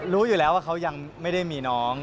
รู้อยู่แล้วว่าเขายังไม่ได้มีน้อง